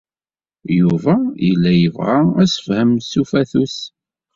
Yuba yella yebɣa assefhem s ufatus.